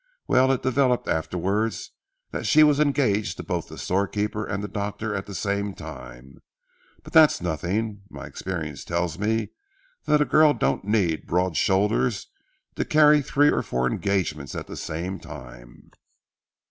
Well, it developed afterwards that she was engaged to both the storekeeper and the doctor at the same time. But that's nothing. My experience tells me that a girl don't need broad shoulders to carry three or four engagements at the same time.